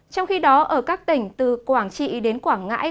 trong khi đó ở các tỉnh từ quảng trị đến quảng ngãi